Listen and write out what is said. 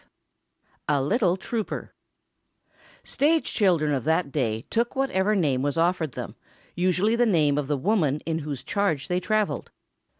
V A LITTLE TROUPER Stage children of that day took whatever name was offered them, usually the name of the woman in whose charge they traveled.